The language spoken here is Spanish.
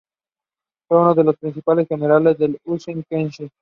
Fue uno de los principales generales de Uesugi Kenshin.